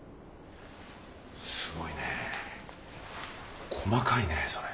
すごいねえ細かいねそれ。